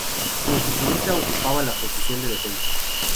Como futbolista ocupaba la posición de defensa.